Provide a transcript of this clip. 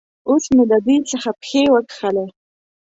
اوس مې د دوی څخه پښې وکښلې.